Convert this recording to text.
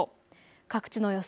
各地の予想